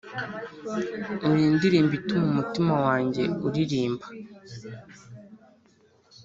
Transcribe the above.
uri indirimbo ituma umutima wanjye uririmba